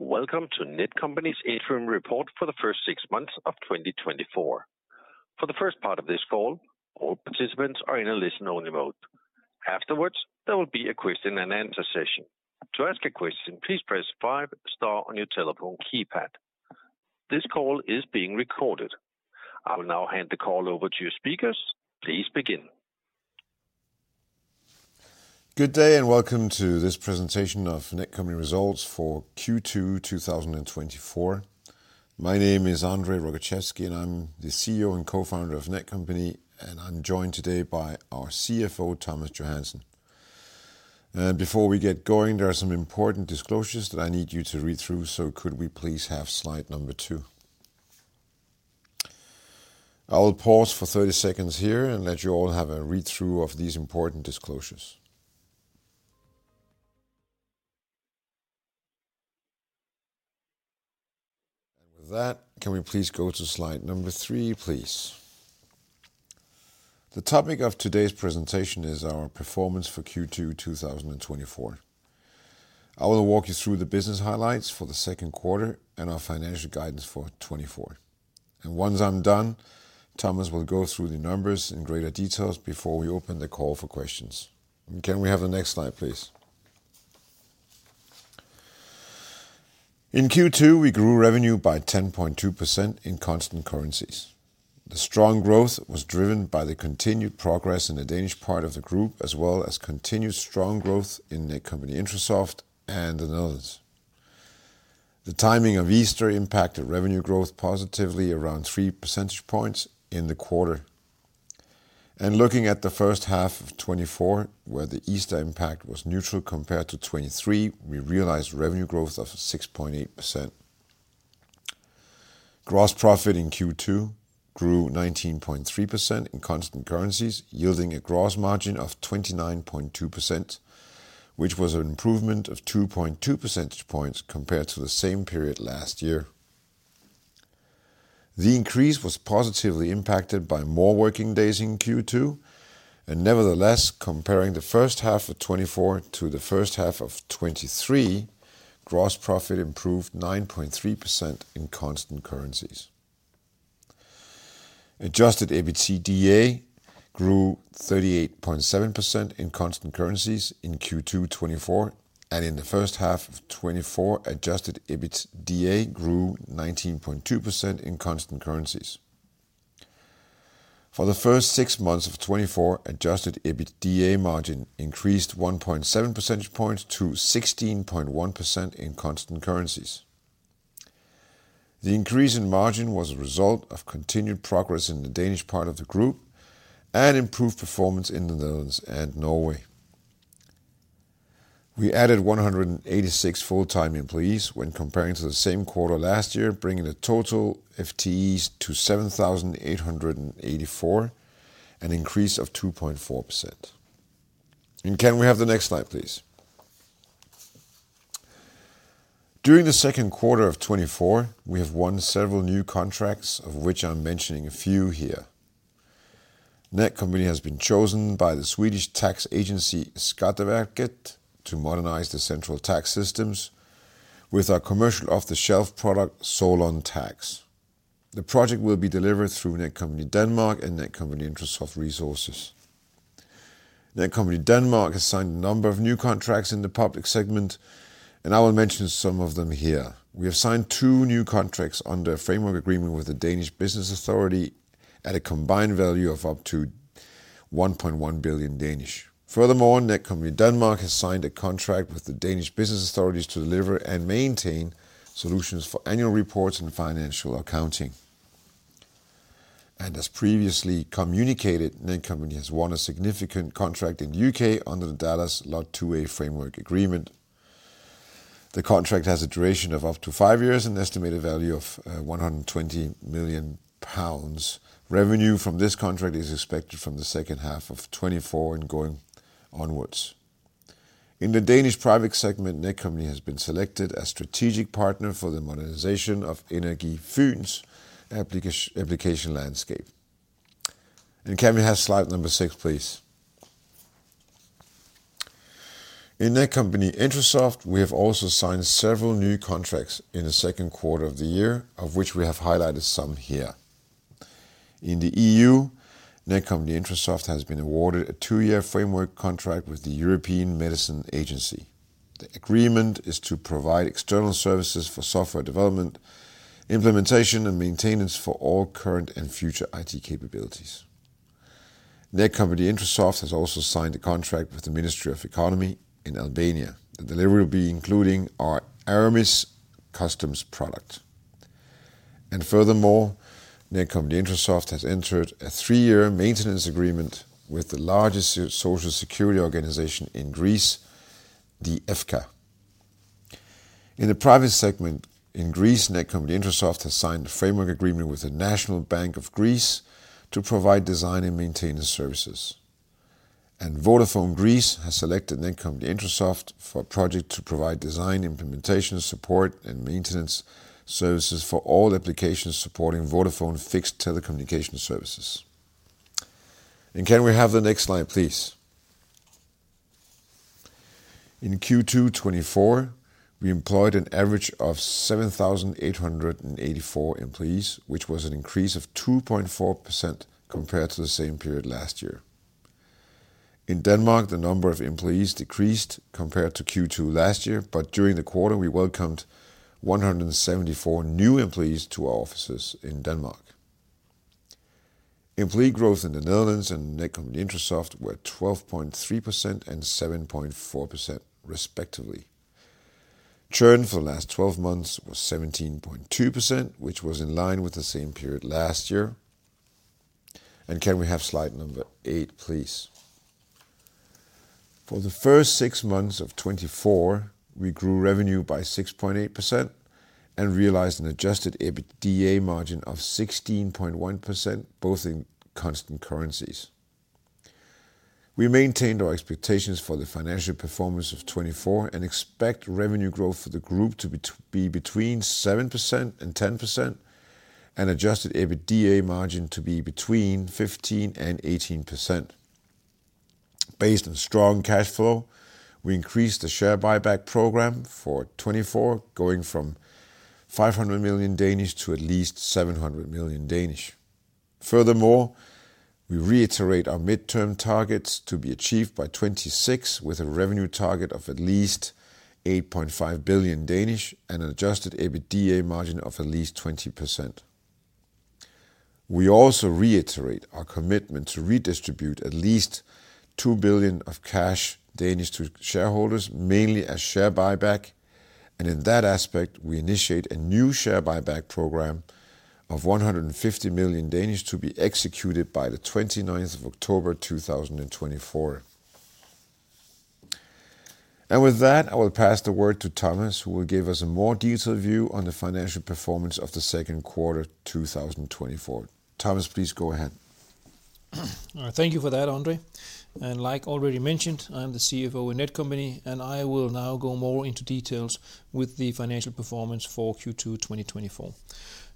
Welcome to Netcompany's interim report for the first six months of 2024. For the first part of this call, all participants are in a listen-only mode. Afterwards, there will be a question and answer session. To ask a question, please press five star on your telephone keypad. This call is being recorded. I will now hand the call over to your speakers. Please begin. Good day, and welcome to this presentation of Netcompany results for Q2 2024. My name is André Rogaczewski, and I'm the CEO and Co-founder of Netcompany, and I'm joined today by our CFO, Thomas Johansen. Before we get going, there are some important disclosures that I need you to read through, so could we please have slide 2? I will pause for 30 seconds here and let you all have a read-through of these important disclosures. And with that, can we please go to slide 3, please? The topic of today's presentation is our performance for Q2 2024. I will walk you through the business highlights for the second quarter and our financial guidance for 2024. And once I'm done, Thomas will go through the numbers in greater details before we open the call for questions. Can we have the next slide, please? In Q2, we grew revenue by 10.2% in constant currencies. The strong growth was driven by the continued progress in the Danish part of the group, as well as continued strong growth in Netcompany-Intrasoft and the Netherlands. The timing of Easter impacted revenue growth positively, around 3 percentage points in the quarter. Looking at the first half of 2024, where the Easter impact was neutral compared to 2023, we realized revenue growth of 6.8%. Gross profit in Q2 grew 19.3% in constant currencies, yielding a gross margin of 29.2%, which was an improvement of 2.2 percentage points compared to the same period last year. The increase was positively impacted by more working days in Q2, and nevertheless, comparing the first half of 2024 to the first half of 2023, gross profit improved 9.3% in constant currencies. Adjusted EBITDA grew 38.7% in constant currencies in Q2 2024, and in the first half of 2024, adjusted EBITDA grew 19.2% in constant currencies. For the first six months of 2024, adjusted EBITDA margin increased 1.7 percentage points to 16.1% in constant currencies. The increase in margin was a result of continued progress in the Danish part of the group and improved performance in the Netherlands and Norway. We added 186 full-time employees when comparing to the same quarter last year, bringing the total FTEs to 7,884, an increase of 2.4%. Can we have the next slide, please? During the second quarter of 2024, we have won several new contracts, of which I'm mentioning a few here. Netcompany has been chosen by the Swedish Tax Agency, Skatteverket, to modernize the central tax systems with our commercial off-the-shelf product, Solon Tax. The project will be delivered through Netcompany Denmark and Netcompany-Intrasoft resources. Netcompany Denmark has signed a number of new contracts in the public segment, and I will mention some of them here. We have signed two new contracts under a framework agreement with the Danish Business Authority at a combined value of up to 1.1 billion. Furthermore, Netcompany Denmark has signed a contract with the Danish Business Authority to deliver and maintain solutions for annual reports and financial accounting. As previously communicated, Netcompany has won a significant contract in the U.K. under the DALAS Lot 2A framework agreement. The contract has a duration of up to five years, an estimated value of 120 million pounds. Revenue from this contract is expected from the second half of 2024 and going onwards. In the Danish private segment, Netcompany has been selected as strategic partner for the modernization of Energi Fyn's application landscape. And can we have slide number 6, please? In Netcompany-Intrasoft, we have also signed several new contracts in the second quarter of the year, of which we have highlighted some here. In the E.U., Netcompany-Intrasoft has been awarded a two-year framework contract with the European Medicines Agency. The agreement is to provide external services for software development, implementation, and maintenance for all current and future IT capabilities. Netcompany-Intrasoft has also signed a contract with the Ministry of Economy in Albania. The delivery will be including our ERMIS customs product. Furthermore, Netcompany-Intrasoft has entered a three-year maintenance agreement with the largest social security organization in Greece, the e-EFKA. In the private segment in Greece, Netcompany-Intrasoft has signed a framework agreement with the National Bank of Greece to provide design and maintenance services. And Vodafone Greece has selected Netcompany-Intrasoft for a project to provide design, implementation, support, and maintenance services for all applications supporting Vodafone fixed telecommunications services. And can we have the next slide, please? In Q2 2024, we employed an average of 7,884 employees, which was an increase of 2.4% compared to the same period last year. In Denmark, the number of employees decreased compared to Q2 last year, but during the quarter we welcomed 174 new employees to our offices in Denmark. Employee growth in the Netherlands and Netcompany-Intrasoft were 12.3% and 7.4% respectively. Churn for the last twelve months was 17.2%, which was in line with the same period last year. Can we have slide 8, please? For the first six months of 2024, we grew revenue by 6.8% and realized an Adjusted EBITDA margin of 16.1%, both in constant currencies. We maintained our expectations for the financial performance of 2024 and expect revenue growth for the group to be between 7% and 10%, and Adjusted EBITDA margin to be between 15% and 18%. Based on strong cash flow, we increased the share buyback program for 2024, going from 500 million to at least 700 million. Furthermore, we reiterate our midterm targets to be achieved by 2026, with a revenue target of at least 8.5 billion, and an Adjusted EBITDA margin of at least 20%. We also reiterate our commitment to redistribute at least 2 billion of cash Danish to shareholders, mainly as share buyback, and in that aspect, we initiate a new share buyback program of 150 million to be executed by the 29th of October 2024. And with that, I will pass the word to Thomas, who will give us a more detailed view on the financial performance of the second quarter 2024. Thomas, please go ahead. Thank you for that, André. Like already mentioned, I'm the CFO in Netcompany, and I will now go more into details with the financial performance for Q2 2024.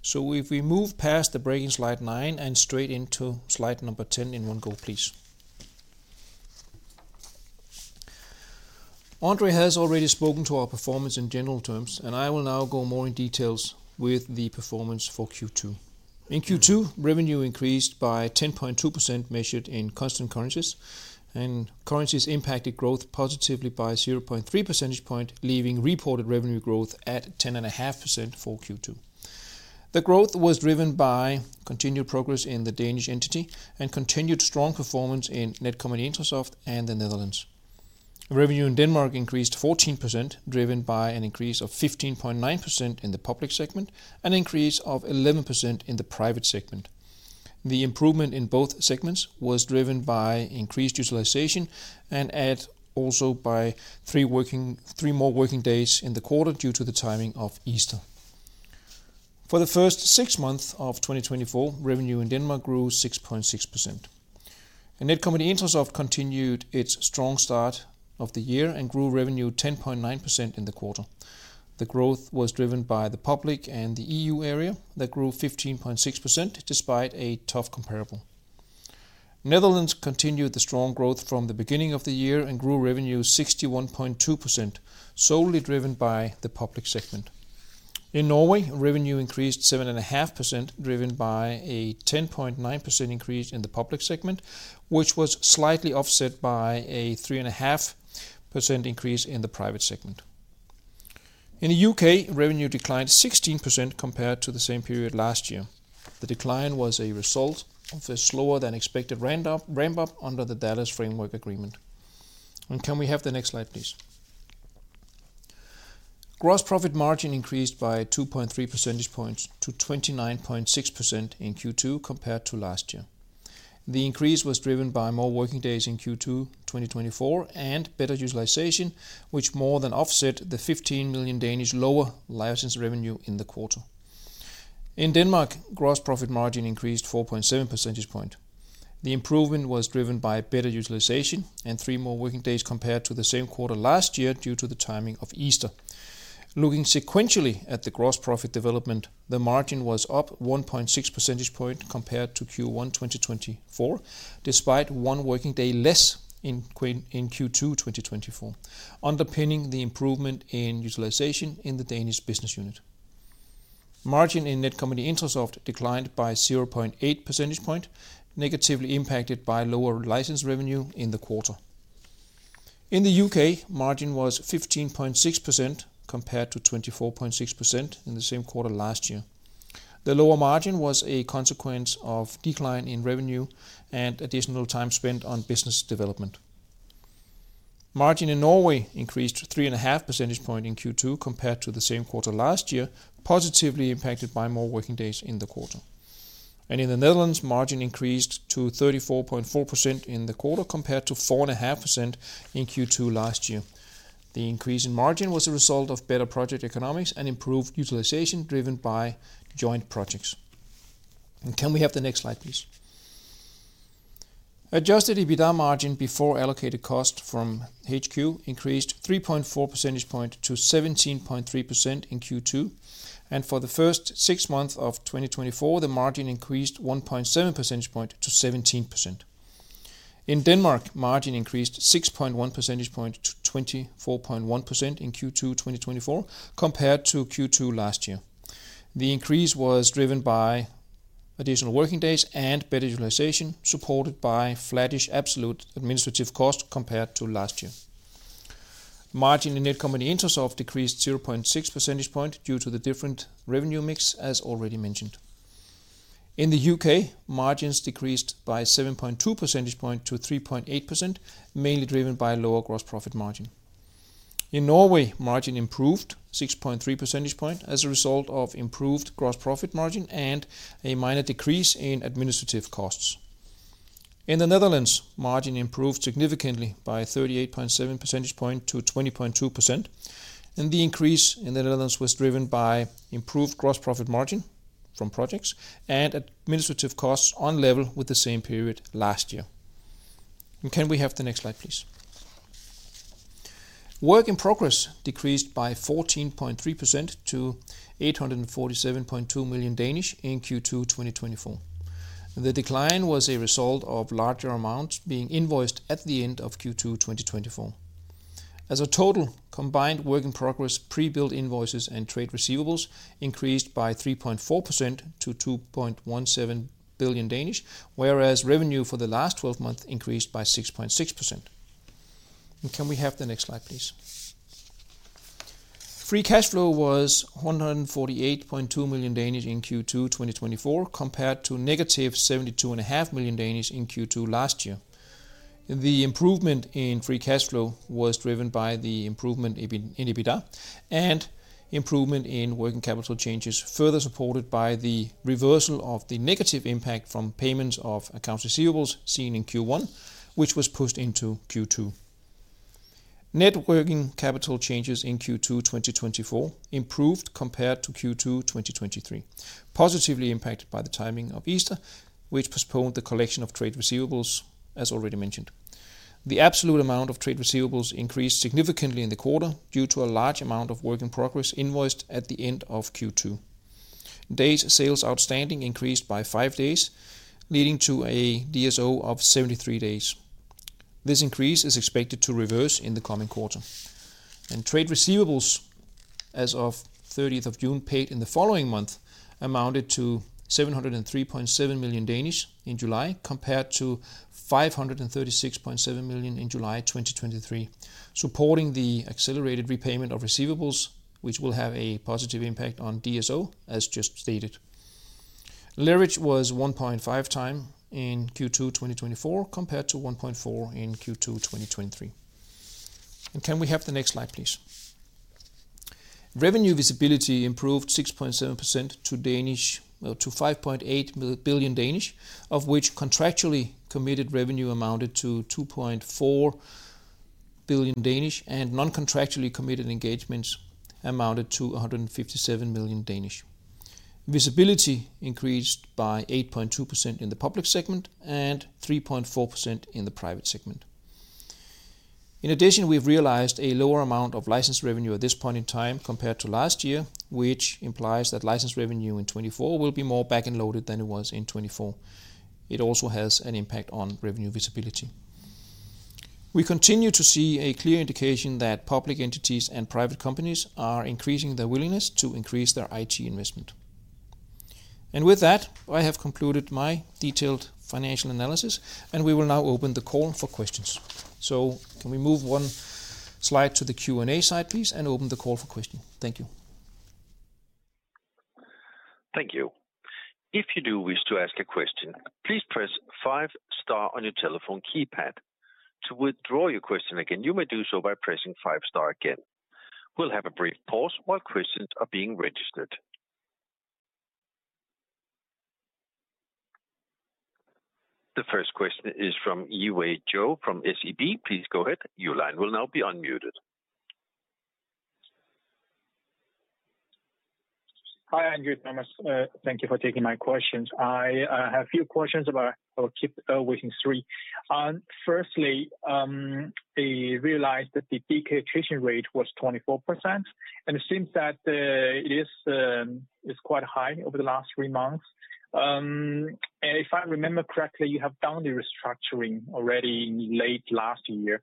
If we move past the break slide 9 and straight into slide number 10 in one go, please. André has already spoken to our performance in general terms, and I will now go more in details with the performance for Q2. In Q2, revenue increased by 10.2%, measured in constant currencies, and currencies impacted growth positively by 0.3 percentage point, leaving reported revenue growth at 10.5% for Q2. The growth was driven by continued progress in the Danish entity and continued strong performance in Netcompany-Intrasoft and the Netherlands. Revenue in Denmark increased 14%, driven by an increase of 15.9% in the public segment and an increase of 11% in the private segment. The improvement in both segments was driven by increased utilization and also by three more working days in the quarter due to the timing of Easter. For the first six months of 2024, revenue in Denmark grew 6.6%. Netcompany-Intrasoft continued its strong start of the year and grew revenue 10.9% in the quarter. The growth was driven by the public and the EU area, that grew 15.6%, despite a tough comparable. Netherlands continued the strong growth from the beginning of the year and grew revenue 61.2%, solely driven by the public segment. In Norway, revenue increased 7.5%, driven by a 10.9% increase in the public segment, which was slightly offset by a 3.5% increase in the private segment. In the U.K., revenue declined 16% compared to the same period last year. The decline was a result of a slower-than-expected ramp up, ramp up under the DALAS framework agreement. And can we have the next slide, please? Gross profit margin increased by 2.3 percentage points to 29.6% in Q2 compared to last year. The increase was driven by more working days in Q2 2024, and better utilization, which more than offset the 15 million lower license revenue in the quarter. In Denmark, gross profit margin increased 4.7 percentage point. The improvement was driven by better utilization and three more working days compared to the same quarter last year, due to the timing of Easter. Looking sequentially at the gross profit development, the margin was up 1.6 percentage point compared to Q1 2024, despite one working day less in Q2 2024, underpinning the improvement in utilization in the Danish business unit. Margin in Netcompany-Intrasoft declined by 0.8 percentage point, negatively impacted by lower license revenue in the quarter. In the U.K., margin was 15.6%, compared to 24.6% in the same quarter last year. The lower margin was a consequence of decline in revenue and additional time spent on business development. Margin in Norway increased 3.5 percentage point in Q2 compared to the same quarter last year, positively impacted by more working days in the quarter. And in the Netherlands, margin increased to 34.4% in the quarter, compared to 4.5% in Q2 last year. The increase in margin was a result of better project economics and improved utilization, driven by joint projects. And can we have the next slide, please? Adjusted EBITDA margin before allocated costs from HQ increased 3.4 percentage point to 17.3% in Q2, and for the first six months of 2024, the margin increased 1.7 percentage point to 17%.... In Denmark, margin increased 6.1 percentage point to 24.1% in Q2 2024, compared to Q2 last year. The increase was driven by additional working days and better utilization, supported by flattish absolute administrative costs compared to last year. Margins in Netcompany-Intrasoft decreased 0.6 percentage point due to the different revenue mix, as already mentioned. In the U.K., margins decreased by 7.2 percentage point to 3.8%, mainly driven by lower gross profit margin. In Norway, margin improved 6.3 percentage point as a result of improved gross profit margin and a minor decrease in administrative costs. In the Netherlands, margin improved significantly by 38.7 percentage point to 20.2%, and the increase in the Netherlands was driven by improved gross profit margin from projects and administrative costs on level with the same period last year. Can we have the next slide, please? Work in progress decreased by 14.3% to 847.2 million in Q2 2024. The decline was a result of larger amounts being invoiced at the end of Q2 2024. As a total, combined work in progress, pre-billed invoices and trade receivables increased by 3.4% to 2.17 billion, whereas revenue for the last twelve months increased by 6.6%. And can we have the next slide, please? Free cash flow was 148.2 million in Q2 2024, compared to -72.5 million in Q2 last year. The improvement in free cash flow was driven by the improvement in EBITDA and improvement in working capital changes, further supported by the reversal of the negative impact from payments of accounts receivables seen in Q1, which was pushed into Q2. Net working capital changes in Q2 2024 improved compared to Q2 2023. Positively impacted by the timing of Easter, which postponed the collection of trade receivables, as already mentioned. The absolute amount of trade receivables increased significantly in the quarter due to a large amount of work in progress invoiced at the end of Q2. Days sales outstanding increased by five days, leading to a DSO of 73 days. This increase is expected to reverse in the coming quarter. Trade receivables as of the thirtieth of June, paid in the following month, amounted to 703.7 million in July, compared to 536.7 million in July 2023, supporting the accelerated repayment of receivables, which will have a positive impact on DSO, as just stated. Leverage was 1.5 times in Q2 2024, compared to 1.4 in Q2 2023. And can we have the next slide, please? Revenue visibility improved 6.7% to 5.8 billion, of which contractually committed revenue amounted to 2.4 billion, and non-contractually committed engagements amounted to 157 million. Visibility increased by 8.2% in the public segment and 3.4% in the private segment. In addition, we've realized a lower amount of license revenue at this point in time compared to last year, which implies that license revenue in 2024 will be more back-end loaded than it was in 2024. It also has an impact on revenue visibility. We continue to see a clear indication that public entities and private companies are increasing their willingness to increase their IT investment. And with that, I have concluded my detailed financial analysis, and we will now open the call for questions. So can we move one slide to the Q&A slide, please, and open the call for questions? Thank you. Thank you. If you do wish to ask a question, please press five star on your telephone keypad. To withdraw your question again, you may do so by pressing five star again. We'll have a brief pause while questions are being registered. The first question is from Yiwei Zhou from SEB. Please go ahead. Your line will now be unmuted. Hi, André, Thomas, thank you for taking my questions. I have a few questions about... I'll keep within three. Firstly, I realized that the DK attrition rate was 24%, and it seems that it is, it's quite high over the last three months. And if I remember correctly, you have done the restructuring already in late last year.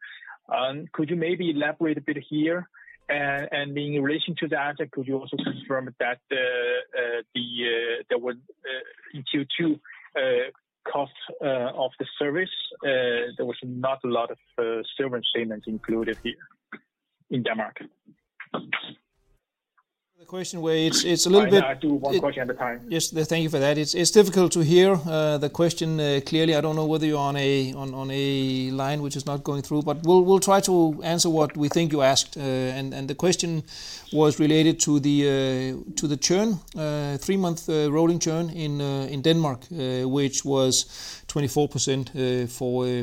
Could you maybe elaborate a bit here? And in relation to that, could you also confirm that there were in Q2 costs of the service, there was not a lot of severance statements included here in Denmark? The question, where it's a little bit- I do one question at a time. Yes, thank you for that. It's difficult to hear the question clearly. I don't know whether you're on a line which is not going through, but we'll try to answer what we think you asked. And the question was related to the churn, three-month rolling churn in Denmark, which was 24%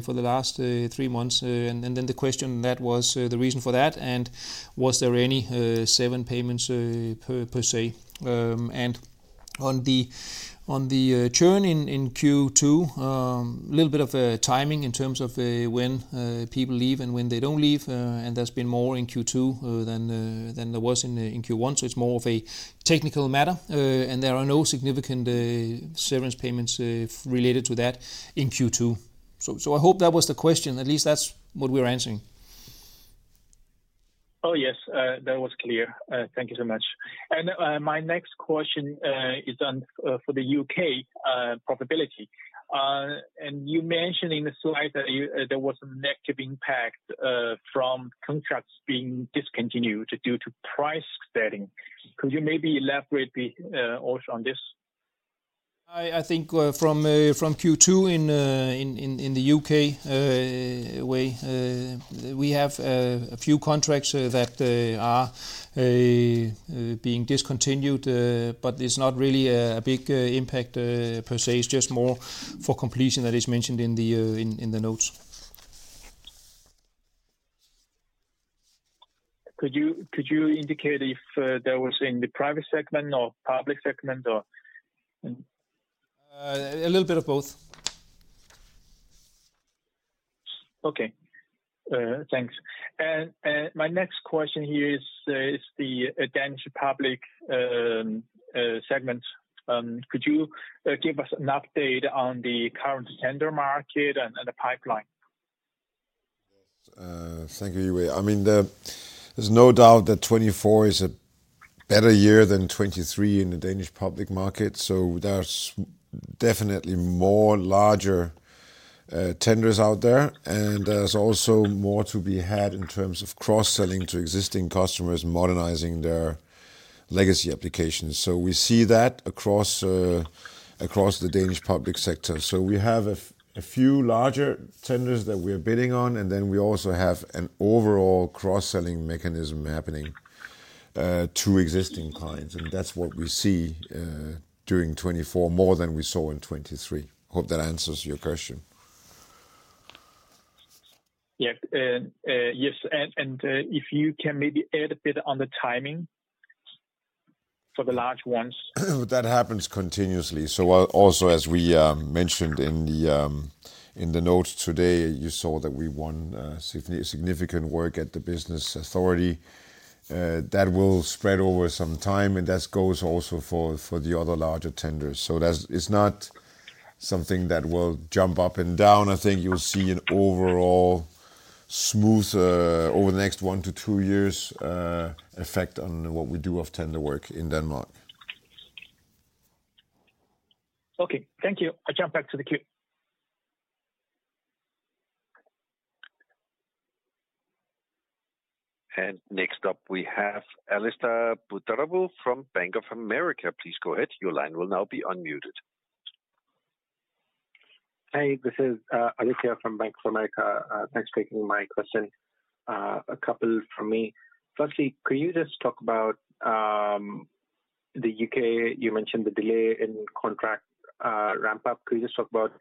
for the last three months. And then the question that was the reason for that, and was there any severance payments per se? And on the churn in Q2, a little bit of timing in terms of when people leave and when they don't leave, and there's been more in Q2 than there was in Q1, so it's more of a technical matter, and there are no significant severance payments related to that in Q2. So I hope that was the question. At least that's what we're answering. Oh, yes, that was clear. Thank you so much. And my next question is on for the U.K. profitability. And you mentioned in the slide that you there was a negative impact from contracts being discontinued due to price setting. Could you maybe elaborate the also on this? I think from Q2 in the U.K., we have a few contracts that are being discontinued, but it's not really a big impact per se. It's just more for completion that is mentioned in the notes. Could you, could you indicate if that was in the private segment or public segment, or? A little bit of both. Okay. Thanks. And my next question here is the Danish public segment. Could you give us an update on the current tender market and the pipeline? Thank you, Uwe. I mean, there's no doubt that 2024 is a better year than 2023 in the Danish public market, so there's definitely more larger tenders out there, and there's also more to be had in terms of cross-selling to existing customers, modernizing their legacy applications. So we see that across the Danish public sector. So we have a few larger tenders that we're bidding on, and then we also have an overall cross-selling mechanism happening to existing clients. And that's what we see during 2024, more than we saw in 2023. Hope that answers your question. Yeah. And yes, if you can maybe add a bit on the timing for the large ones. That happens continuously. So while also, as we mentioned in the notes today, you saw that we won significant work at the business authority. That will spread over some time, and that goes also for the other larger tenders. So that's... It's not something that will jump up and down. I think you'll see an overall smooth over the next 1-2 years effect on what we do of tender work in Denmark. Okay, thank you. I jump back to the queue. Next up, we have Aditya Buddhavarapu from Bank of America. Please go ahead. Your line will now be unmuted. Hey, this is Aditya Buddhavarapu from Bank of America. Thanks for taking my question. A couple from me. Firstly, could you just talk about the U.K.? You mentioned the delay in contract ramp up. Could you just talk about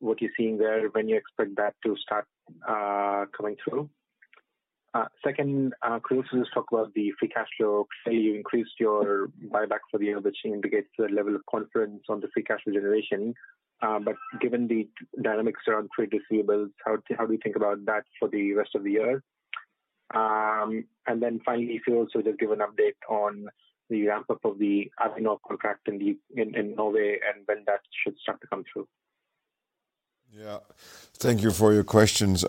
what you're seeing there, when you expect that to start coming through? Second, could you just talk about the free cash flow? Say you increased your buyback for the year, which indicates the level of confidence on the free cash generation. But given the dynamics around trade receivables, how do you think about that for the rest of the year? And then finally, if you also just give an update on the ramp-up of the Avinor contract in Norway and when that should start to come through. Yeah. Thank you for your questions.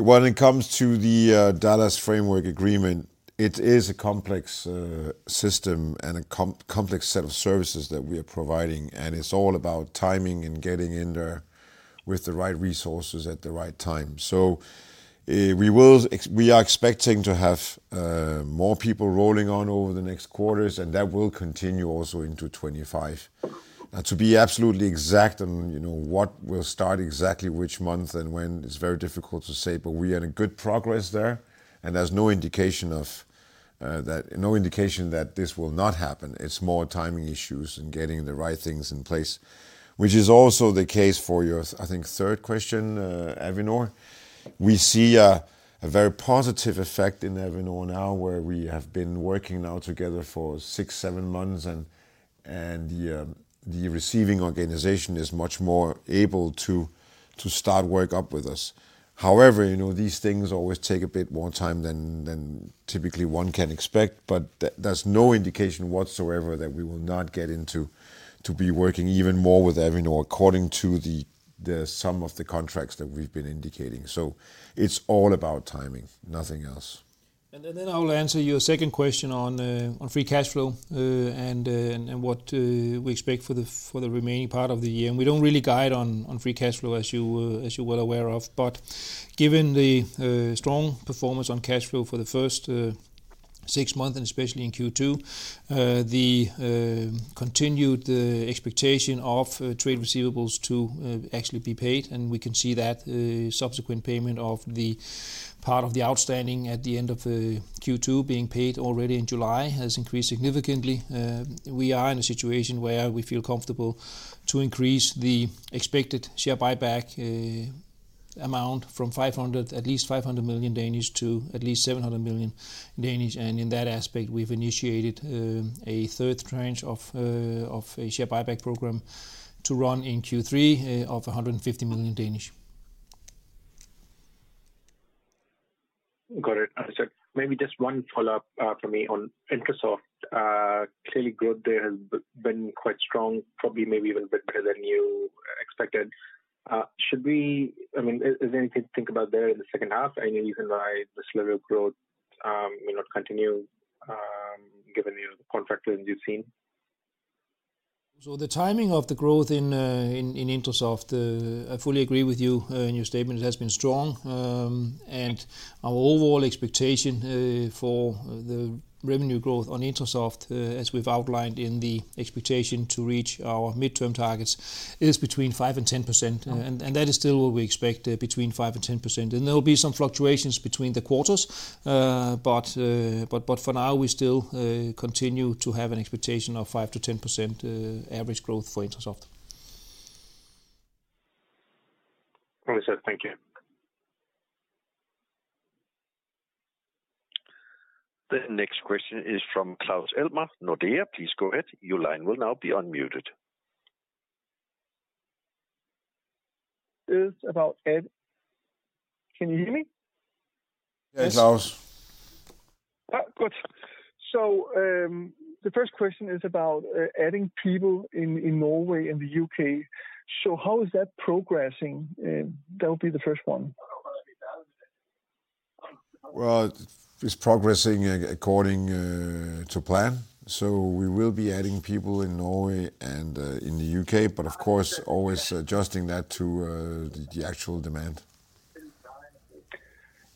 When it comes to the, DALAS Framework Agreement, it is a complex, system and a complex set of services that we are providing, and it's all about timing and getting in there with the right resources at the right time. So, we are expecting to have, more people rolling on over the next quarters, and that will continue also into 2025. To be absolutely exact on, you know, what will start exactly which month and when, it's very difficult to say, but we are in good progress there, and there's no indication of, that. No indication that this will not happen. It's more timing issues and getting the right things in place, which is also the case for your, I think, third question, Avinor. We see a very positive effect in Avinor now, where we have been working now together for 6-7 months, and the receiving organization is much more able to start work up with us. However, you know, these things always take a bit more time than typically one can expect, but there's no indication whatsoever that we will not get into to be working even more with Avinor according to the sum of the contracts that we've been indicating. So it's all about timing, nothing else. Then I will answer your second question on free cash flow and what we expect for the remaining part of the year. We don't really guide on free cash flow, as you're well aware of. But given the strong performance on cash flow for the first six months, and especially in Q2, the continued expectation of trade receivables to actually be paid, and we can see that subsequent payment of the part of the outstanding at the end of Q2 being paid already in July has increased significantly. We are in a situation where we feel comfortable to increase the expected share buyback amount from at least 500 million to at least 700 million. In that aspect, we've initiated a third tranche of a share buyback program to run in Q3 of 150 million. Got it. So maybe just one follow-up from me on Intrasoft. Clearly growth there has been quite strong, probably maybe even a bit better than you expected. Should we, I mean, is there anything to think about there in the second half? I mean, you can buy this level of growth may not continue, given the traction that you've seen. So the timing of the growth in Intrasoft, I fully agree with you, in your statement. It has been strong, and our overall expectation, for the revenue growth on Intrasoft, as we've outlined in the expectation to reach our midterm targets, is between 5% and 10%. And that is still what we expect, between 5% and 10%. And there will be some fluctuations between the quarters, but for now, we still continue to have an expectation of 5%-10%, average growth for Intrasoft. Well said. Thank you. The next question is from Claus Almer, Nordea. Please go ahead. Your line will now be unmuted. It's about Ed... Can you hear me? Yes, Claus. Good. So, the first question is about adding people in Norway and the U.K.. So how is that progressing? That would be the first one. Well, it's progressing according to plan, so we will be adding people in Norway and in the U.K., but of course, always adjusting that to the actual demand.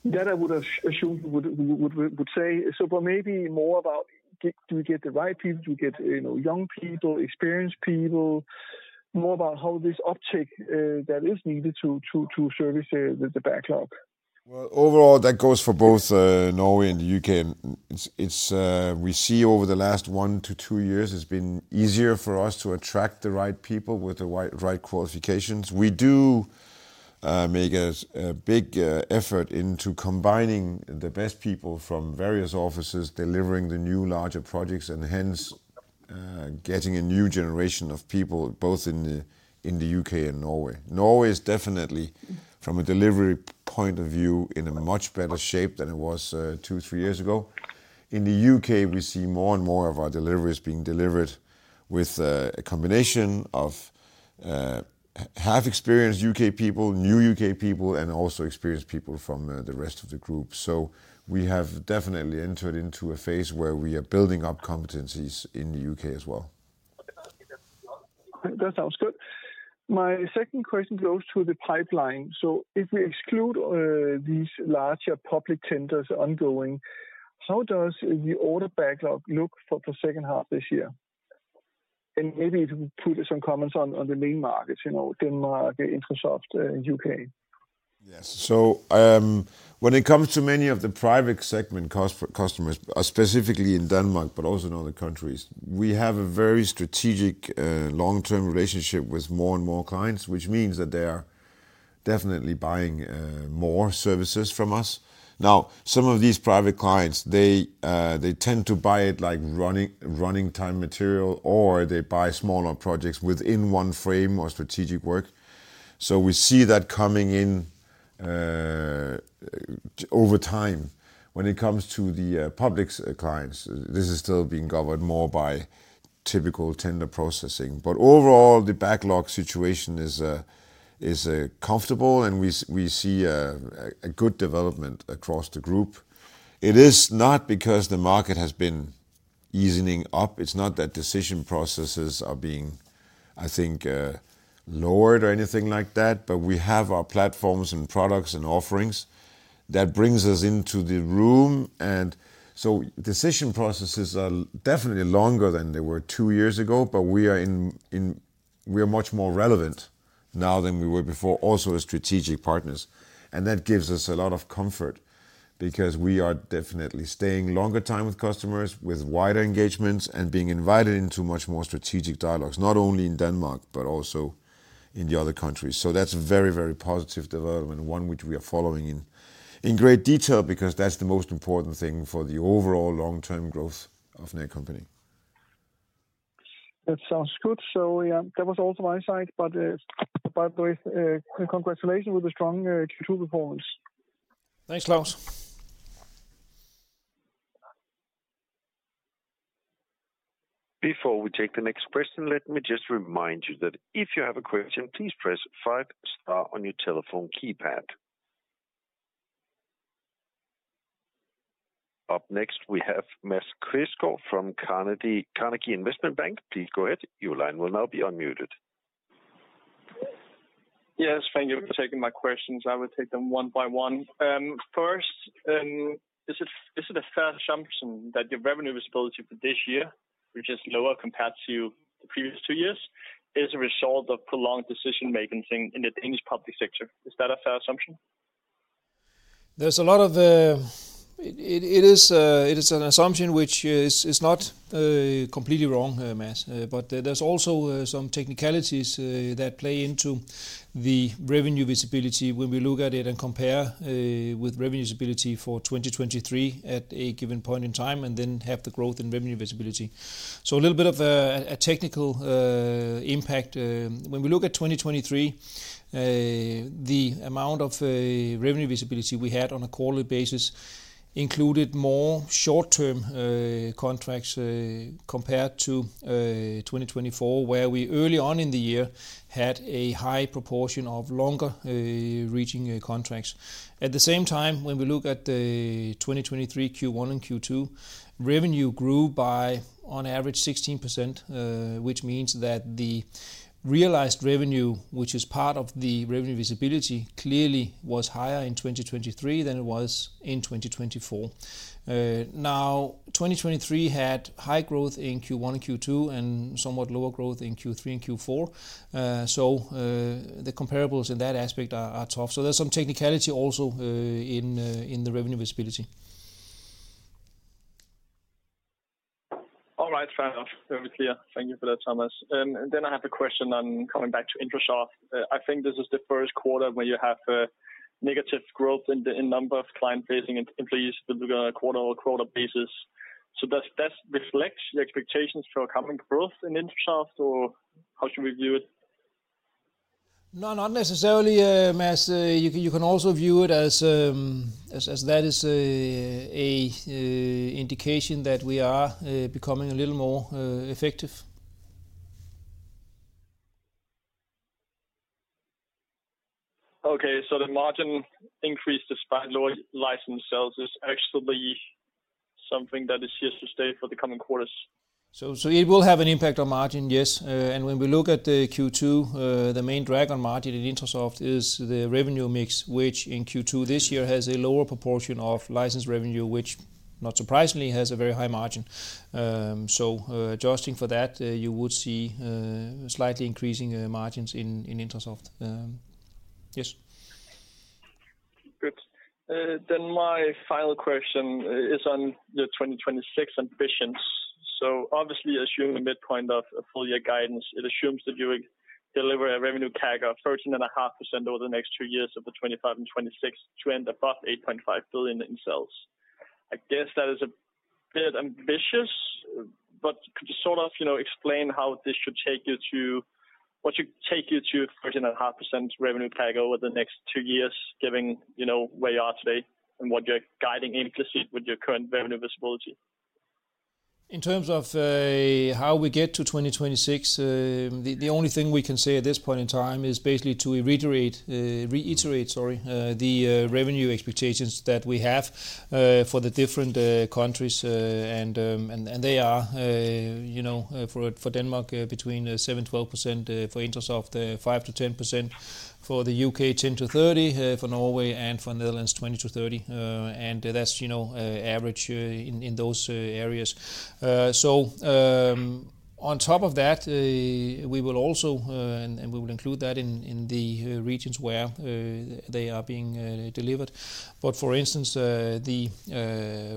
That I would have assumed we would say. So but maybe more about, do we get the right people? Do we get, you know, young people, experienced people? More about how this uptick that is needed to service the backlog. Well, overall, that goes for both Norway and the U.K., and it's we see over the last 1-2 years, it's been easier for us to attract the right people with the right qualifications. We do make a big effort into combining the best people from various offices, delivering the new, larger projects, and hence getting a new generation of people, both in the U.K. and Norway. Norway is definitely, from a delivery point of view, in a much better shape than it was two-three years ago. In the U.K., we see more and more of our deliveries being delivered with a combination of half experienced U.K. people, new U.K. people, and also experienced people from the rest of the group. We have definitely entered into a phase where we are building up competencies in the U.K. as well. That sounds good. My second question goes to the pipeline. So if we exclude these larger public tenders ongoing, how does the order backlog look for the second half this year? And maybe if you put some comments on the main markets, you know, Denmark, Intrasoft, and U.K.. Yes. So, when it comes to many of the private segment customers, specifically in Denmark, but also in other countries, we have a very strategic, long-term relationship with more and more clients, which means that they are definitely buying, more services from us. Now, some of these private clients, they, they tend to buy it like running, running time material, or they buy smaller projects within one frame or strategic work. So we see that coming in, over time. When it comes to the public's clients, this is still being governed more by typical tender processing. But overall, the backlog situation is comfortable, and we see a good development across the group. It is not because the market has been easing up. It's not that decision processes are being, I think, lowered or anything like that, but we have our platforms and products and offerings that brings us into the room. And so decision processes are definitely longer than they were two years ago, but we are much more relevant now than we were before, also as strategic partners. And that gives us a lot of comfort because we are definitely staying longer time with customers, with wider engagements, and being invited into much more strategic dialogues, not only in Denmark, but also in the other countries. So that's a very, very positive development, one which we are following in great detail, because that's the most important thing for the overall long-term growth of Netcompany. That sounds good. So, yeah, that was also my side, but with congratulations with the strong Q2 performance. Thanks, Claus. Before we take the next question, let me just remind you that if you have a question, please press five star on your telephone keypad. Up next, we have Mads Quistgaard from Carnegie, Carnegie Investment Bank. Please go ahead. Your line will now be unmuted. Yes, thank you for taking my questions. I will take them one by one. First, is it a fair assumption that your revenue visibility for this year, which is lower compared to the previous two years, is a result of prolonged decision-making in the Danish public sector? Is that a fair assumption? There's a lot of... It is an assumption which is not completely wrong, Mads, but there's also some technicalities that play into the revenue visibility when we look at it and compare with revenue visibility for 2023 at a given point in time, and then have the growth in revenue visibility. So a little bit of a technical impact, when we look at 2023, the amount of revenue visibility we had on a quarterly basis... included more short-term contracts, compared to 2024, where we early on in the year had a high proportion of longer reaching contracts. At the same time, when we look at the 2023 Q1 and Q2, revenue grew by, on average, 16%, which means that the realized revenue, which is part of the revenue visibility, clearly was higher in 2023 than it was in 2024. Now, 2023 had high growth in Q1 and Q2, and somewhat lower growth in Q3 and Q4. So, the comparables in that aspect are tough. So there's some technicality also in the revenue visibility. All right, fair enough. Very clear. Thank you for that, Thomas. And then I have a question on coming back to Intrasoft. I think this is the first quarter where you have negative growth in the number of client-facing employees on a quarter-over-quarter basis. So does this reflect the expectations for coming growth in Intrasoft, or how should we view it? No, not necessarily, Mads, you can also view it as that is an indication that we are becoming a little more effective. Okay, so the margin increase despite lower license sales is actually something that is here to stay for the coming quarters? So, it will have an impact on margin, yes. And when we look at the Q2, the main drag on margin in Intrasoft is the revenue mix, which in Q2 this year has a lower proportion of license revenue, which, not surprisingly, has a very high margin. So, adjusting for that, you would see slightly increasing margins in Intrasoft. Yes. Good. Then my final question is on the 2026 ambitions. So obviously, assuming the midpoint of a full year guidance, it assumes that you will deliver a revenue CAGR of 13.5% over the next two years of 2025 and 2026 to end above 8.5 billion in sales. I guess that is a bit ambitious, but could you sort of, you know, explain how this should take you to- what should take you to 13.5% revenue CAGR over the next two years, given, you know, where you are today and what you're guiding implicitly with your current revenue visibility? In terms of how we get to 2026, the only thing we can say at this point in time is basically to reiterate, reiterate, sorry, the revenue expectations that we have for the different countries, and, and they are, you know, for Denmark, between 7% and 12%, for Intrasoft, 5%-10%, for the U.K., 10%-30%, for Norway and for Netherlands, 20%-30%, and that's, you know, average in those areas. So, on top of that, we will also and we will include that in the regions where they are being delivered. But for instance, the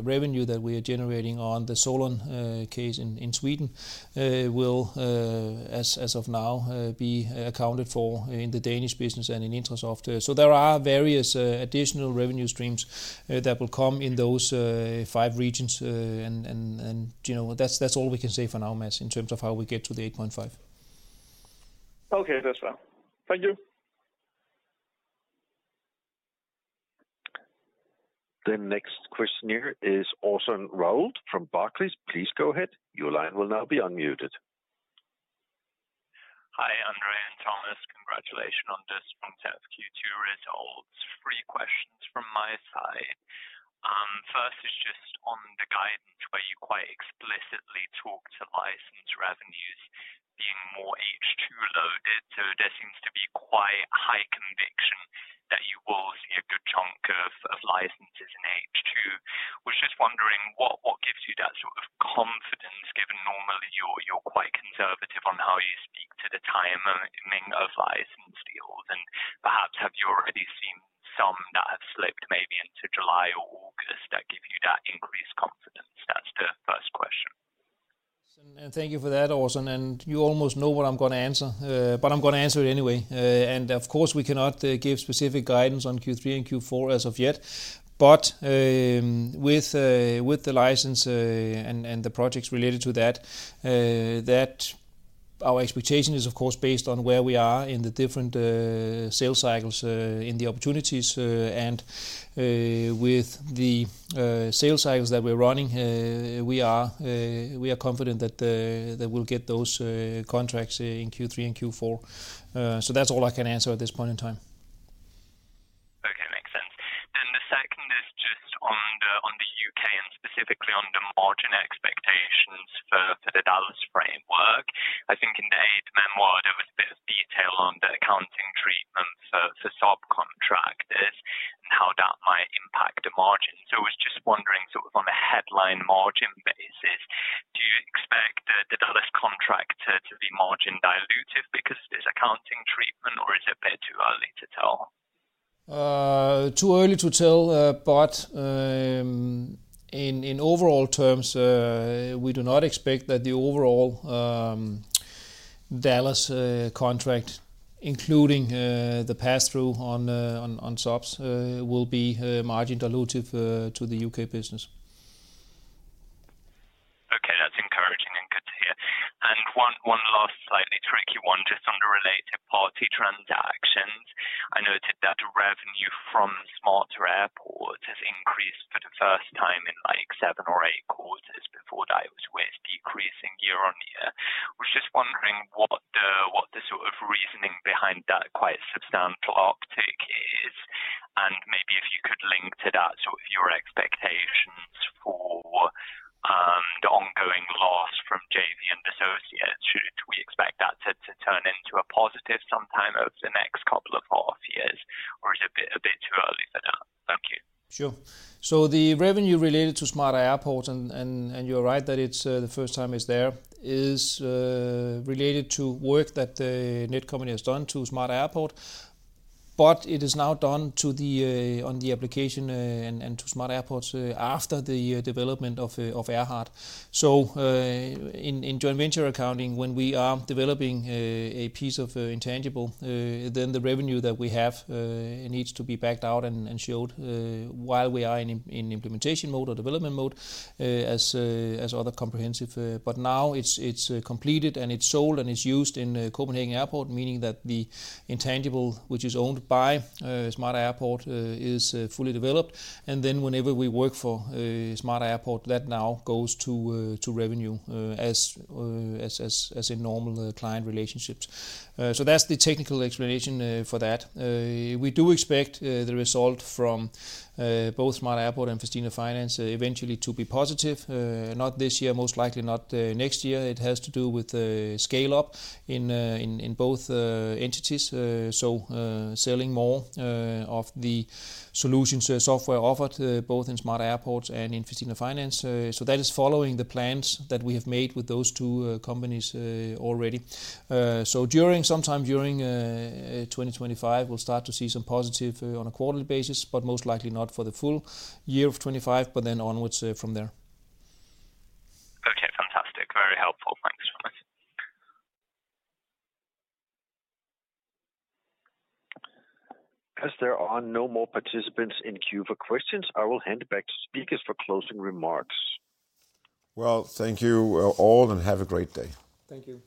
revenue that we are generating on the SOLON TAX case in Sweden will, as of now, be accounted for in the Danish business and in Netcompany-Intrasoft. So there are various additional revenue streams that will come in those five regions, and you know, that's all we can say for now, Mads, in terms of how we get to the 8.5. Okay, that's fine. Thank you. The next question here is Orson Rout from Barclays. Please go ahead. Your line will now be unmuted. Hi, André and Thomas. Congratulations on these Q2 results. Three questions from my side. First is just on the guidance, where you quite explicitly talk to license revenues being more H2 loaded. So there seems to be quite high conviction that you will see a good chunk of licenses in H2. Was just wondering what gives you that sort of confidence, given normally you're quite conservative on how you speak to the timing of license deals? And perhaps, have you already seen some that have slipped maybe into July or August that give you that increased confidence? That's the first question. And thank you for that, Orson, and you almost know what I'm going to answer, but I'm going to answer it anyway. And of course, we cannot give specific guidance on Q3 and Q4 as of yet, but with the license and the projects related to that, that our expectation is, of course, based on where we are in the different sales cycles in the opportunities, and with the sales cycles that we're running, we are confident that we'll get those contracts in Q3 and Q4. So that's all I can answer at this point in time. Okay, makes sense. And the second is just on the U.K., and specifically on the margin expectations for the DALAS framework. I think in the Aide-Mémoire, there was a bit of detail on the accounting treatment for subcontractors and how that might impact the margin. So I was just wondering, sort of on a headline margin basis, do you expect the DALAS contract to be margin dilutive because of this accounting treatment, or is it a bit too early to tell? Too early to tell, but in overall terms, we do not expect that the overall DALAS contract, including the passthrough on subs, will be margin dilutive to the U.K. business.... And one last slightly tricky one just on the related party transactions. I noted that the revenue from Smarter Airports has increased for the first time in, like, seven or eight quarters. Before that, it was with decreasing year-on-year. Was just wondering what the, what the sort of reasoning behind that quite substantial uptick is, and maybe if you could link to that sort of your expectations for, the ongoing loss from JV and associates. Should we expect that to, to turn into a positive sometime over the next couple of half years, or is it a bit, a bit too early for that? Thank you. Sure. So the revenue related to Smarter Airports, and you're right that it's the first time it's there, is related to work that the Netcompany has done to Smarter Airport. But it is now done to the on the application, and to Smarter Airports after the development of AIRHART. So in joint venture accounting, when we are developing a piece of intangible, then the revenue that we have needs to be backed out and showed while we are in implementation mode or development mode, as other comprehensive. But now it's completed, and it's sold, and it's used in Copenhagen Airport, meaning that the intangible, which is owned by Smarter Airport, is fully developed. And then whenever we work for Smarter Airports, that now goes to revenue as a normal client relationships. So that's the technical explanation for that. We do expect the result from both Smarter Airports and Festina Finance eventually to be positive. Not this year, most likely not next year. It has to do with the scale up in both entities. So selling more of the solutions software offered both in Smarter Airports and in Festina Finance. So that is following the plans that we have made with those two companies already. So, during sometime during 2025, we'll start to see some positive on a quarterly basis, but most likely not for the full year of 2025, but then onwards from there. Okay, fantastic. Very helpful. Thanks so much. As there are no more participants in queue for questions, I will hand it back to speakers for closing remarks. Well, thank you, all, and have a great day. Thank you.